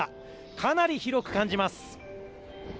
かなり広く感じます。